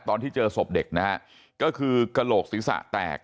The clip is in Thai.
ตอนที่เจอศพเด็กนะฮะก็คือกระโหลกศีรษะแตก